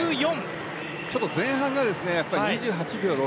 ちょっと前半が２８秒６。